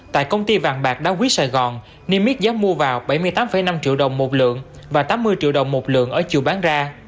tại công ty vàng bạc đá quý sài gòn niêm mít giá mua vào bảy mươi tám năm triệu đồng một lượng và tám mươi triệu đồng một lượng ở chiều bán ra